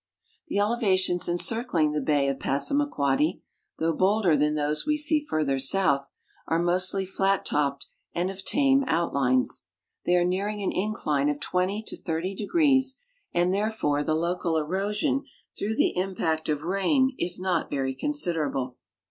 The elevations encircling the bay of Passamaquoddy, though bolder than those we see further south, are mostly flat topped and of tame outlines. They are nearing an incline of 20 to 30 degrees, and therefore the local erosion through the impact of rain is not very considerable.